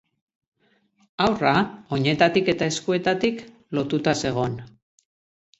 Haurra, oinetatik eta eskuetatik lotuta zegon.